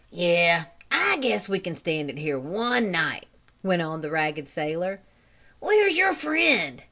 "Yes, I guess we can stand it here one night," went on the ragged sailor. "Where's your friend?"